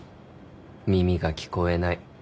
耳が聞こえない。